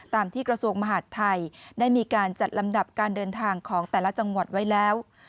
ที่กระทรวงมหาดไทยได้มีการจัดลำดับการเดินทางของแต่ละจังหวัดไว้แล้ว